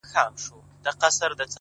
ته کم عقل ته کومول څومره ساده یې،